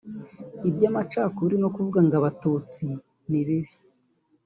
Iby’amacakubiri no kuvuga ngo Abatutsi ni babi